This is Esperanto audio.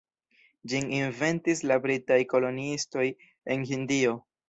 Ĝin inventis la britaj koloniistoj en Hindio.